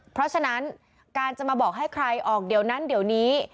เพราะฉะนั้นการจะมาบอกให้ใครออกเดี๋ยวนั้นเดี๋ยวนี้